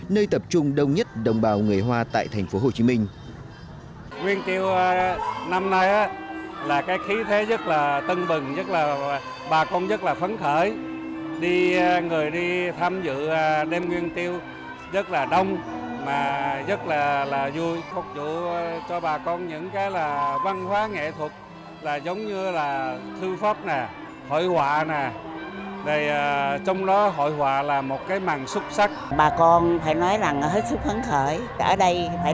nơi tập trung đông nhất đồng bào người hoa